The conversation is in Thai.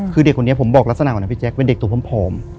คือเด็กคนนี้ผมบอกลักษณะก่อนนะพี่แจ๊คเป็นเด็กตัวผอม